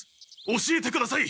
教えてください！